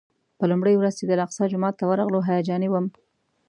په لومړۍ ورځ چې د الاقصی جومات ته ورغلو هیجاني وم.